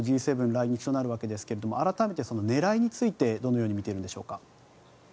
来日となるわけですが改めて狙いについてどのように見ていますか？